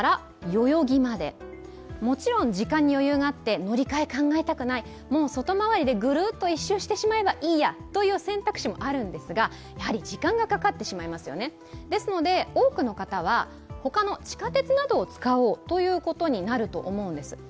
もちろん時間に余裕があって乗り換えを考えたくない、もう外回りでグルッと１周してしまえばいいという選択肢もありますがやはり時間がかかってしまいますので多くの方はほかの地下鉄などを使おうということになると思います。